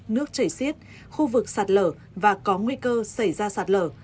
nước chảy xiết khu vực sạt lở và có nguy cơ xảy ra sạt lở